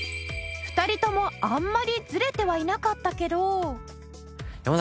２人ともあんまりずれてはいなかったけど。